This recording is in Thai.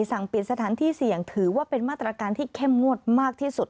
สั่งปิดสถานที่เสี่ยงถือว่าเป็นมาตรการที่เข้มงวดมากที่สุด